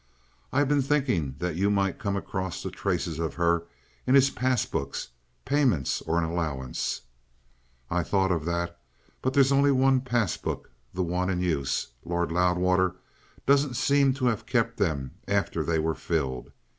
"I've been thinking that you might come across traces of her in his pass books payments or an allowance." "I thought of that. But there's only one passbook, the one in use. Lord Loudwater doesn't seem to have kept them after they were filled.